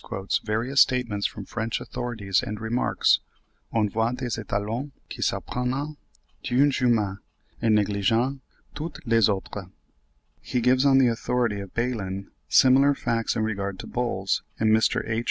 quotes various statements from French authorities, and remarks, "On voit des étalons qui s'eprennent d'une jument, et negligent toutes les autres." He gives, on the authority of Baelen, similar facts in regard to bulls; and Mr. H.